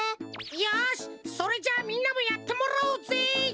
よしそれじゃあみんなもやってもらおうぜ！